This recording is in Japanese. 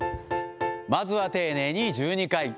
まずは丁寧に１２回。